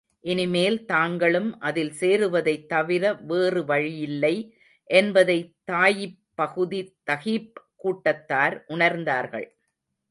இனிமேல் தாங்களும் அதில் சேருவதைத் தவிர வேறு வழியில்லை என்பதை தாயிப் பகுதி தகீப் கூட்டத்தார் உணர்ந்தார்கள்.